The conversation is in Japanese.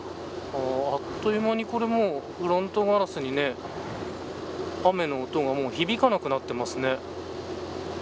あっという間にフロントガラスに雨の音がもう響かなくなってますね。